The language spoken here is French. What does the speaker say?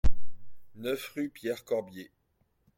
neuf rue Pierre Corbier